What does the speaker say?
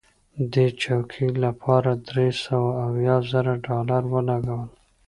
دې چوکۍ لپاره درې سوه اویا زره ډالره ولګول.